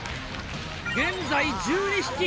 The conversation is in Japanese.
現在１２匹！